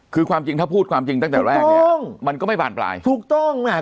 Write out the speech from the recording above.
คือความจริงถ้าพูดความจริงตั้งแต่แรกเนี่ยมันก็ไม่บานปลายถูกต้องนะฮะ